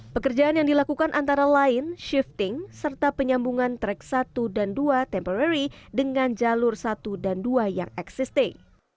pekerjaan yang dilakukan antara lain shifting serta penyambungan track satu dan dua temporary dengan jalur satu dan dua yang existing